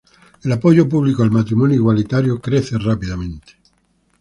El apoyo público al matrimonio igualitario crece rápidamente.